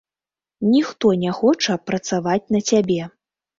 Ніхто не хоча працаваць на цябе.